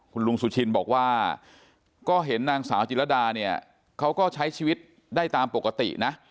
คุณลุงสุชินบอกว่าก็เห็นนางสาวจิรดาเนี่ยเขาก็ใช้ชีวิตได้ตามปกตินะ